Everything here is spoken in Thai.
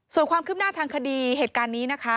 ส่วนความคืบหน้าทางคดีเหตุการณ์นี้นะคะ